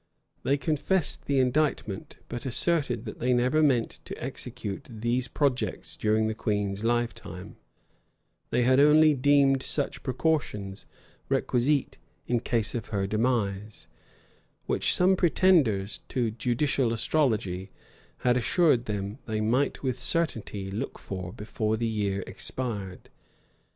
They confessed the indictment, but asserted that they never meant to execute these projects during the queen's lifetime: they had only deemed such precautions requisite in case of her demise, which some pretenders to judicial astrology had assured them they might with certainty look for before the year expired.